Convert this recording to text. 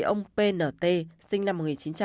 ông p n t sinh năm một nghìn chín trăm bảy mươi chín